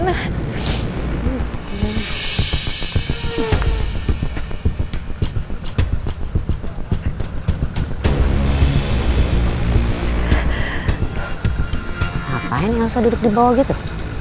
ngapain yang harusnya duduk di bawah gitu